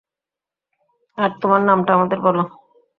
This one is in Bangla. আর তোমার নামটা আমাদের বলো।